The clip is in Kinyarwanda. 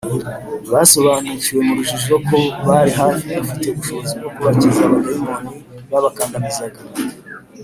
basobanukiwe mu rujijo ko bari hafi y’ufite ubushobozi bwo kubakiza abadayimoni babakandamizaga